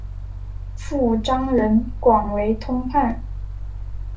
父张仁广为通判。